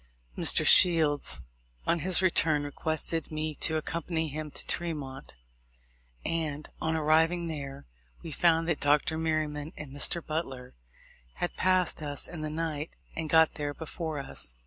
Mr. Shields, on his return, requested me to accompany him to Tremont ; and, on arriving there, we found that Dr. Merryman and Mr. Butler had passed us in the night, and got there before us.